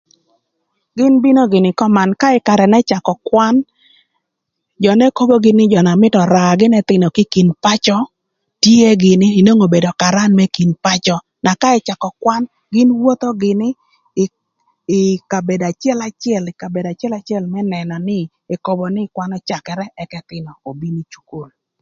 Gïn bino gïnï köman ka ï karë n'ëcakö kwan jö n'ekobogï nï jö na mïtö öra gïnï ëthÏnö kï kin pacö tye gïnï inwongo obedo karan më kin pacö, na ka ëcakö kwan gïn wotho gïnï ï kabedo acëlacël ï kabedo acëlacël më nënö nï ekobo nï kwan öcakërë ëk ëthïnö obin ï cukul.